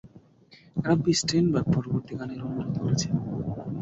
রাব্বি Steinberg পরবর্তী গানের অনুরোধ করেছে।